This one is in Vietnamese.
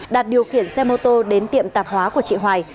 đạt điều khiển xe mô tô đến tiệm tạp hóa của chị hoài